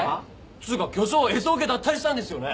つーか巨匠Ｓオケ脱退したんですよね？